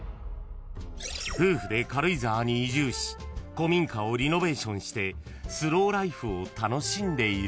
［夫婦で軽井沢に移住し古民家をリノベーションしてスローライフを楽しんでいる］